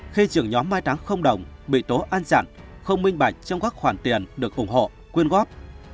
khi trưởng nhóm mai táng không đồng bị tố an giản không minh bạch trong các khoản tiền được ủng hộ quyên góp